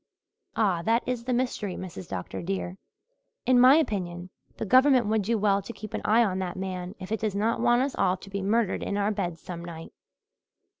"Ah, that is the mystery, Mrs. Dr. dear. In my opinion the Government would do well to keep an eye on that man if it does not want us to be all murdered in our beds some night.